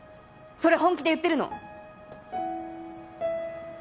それ本気で言ってるの！？